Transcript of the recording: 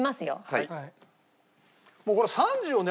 はい。